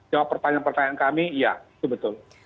jawab pertanyaan pertanyaan kami iya itu betul